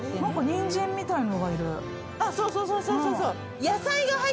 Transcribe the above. そうそうそうそう。